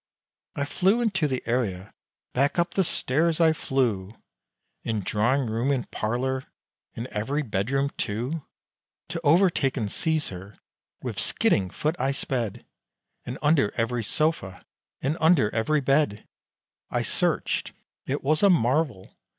I flew into the area, back up the stairs I flew, In drawing room and parlour, in every bedroom too, To overtake and seize her, with skidding foot I sped, And under every sofa, and under every bed, I searched, it was a marvel!